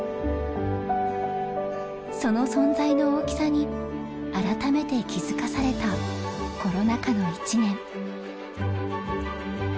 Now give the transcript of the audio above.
その存在の大きさに改めて気づかされたコロナ禍の一年。